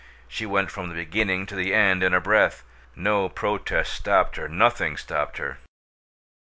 She went from the beginning to the end in a breath. No protest stopped her; nothing stopped her.